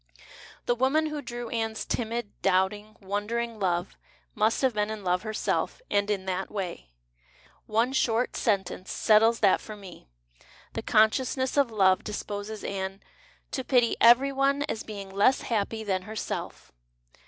The woman who drew Anne's timid, doubting, wondering love must have been in love herself and in that way. One short sentence settles that for me. The con sciousness of love disposes Anne '' to pity every one, as being less happy than herself."